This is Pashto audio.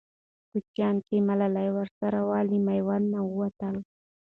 کوچیان چې ملالۍ ورسره وه، له میوند نه ووتل.